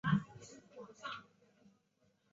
常中天现今在台湾唯一传人。